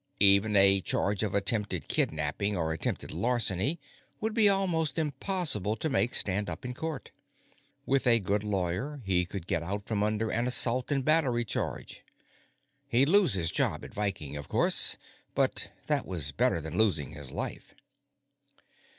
Even a charge of attempted kidnapping or attempted larceny would be almost impossible to make stand up in court. With a good lawyer, he could get out from under an assault and battery charge. He'd lose his job with Viking, of course, but that was better than losing his life.